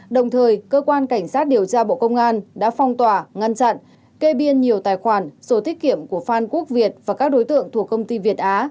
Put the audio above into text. đồng thời cơ quan cảnh sát điều tra bộ công an đã phong tỏa ngăn chặn kê biên nhiều tài khoản sổ tiết kiệm của phan quốc việt và các đối tượng thuộc công ty việt á